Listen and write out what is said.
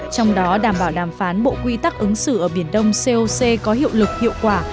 trong đó đảm bảo đàm phán bộ quy tắc ứng xử ở biển đông coc có hiệu lực hiệu quả